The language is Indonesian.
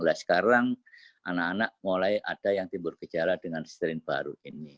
nah sekarang anak anak mulai ada yang timbul gejala dengan strain baru ini